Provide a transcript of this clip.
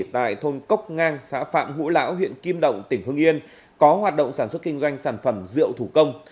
tại thôn cốc ngang xã phạm ngũ lão huyện kim động tỉnh hưng yên có hoạt động sản xuất kinh doanh sản phẩm rượu thủ công